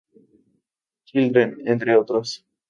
Children, entre otros.